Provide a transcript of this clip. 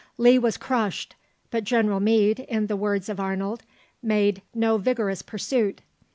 Lee was crushed, but General Meade, in the words of Arnold, "made no vigorous pursuit.